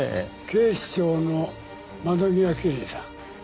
警視庁の窓際刑事さん。